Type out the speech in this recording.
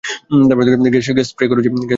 Gas spray করো, যী!